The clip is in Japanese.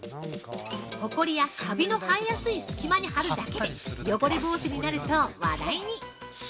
ほこりやカビの生えやすい隙間に貼るだけで汚れ予防になると話題に！